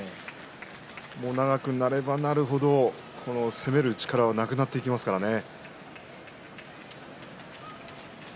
長くなればなる程、攻める力がなくなっていきますからね。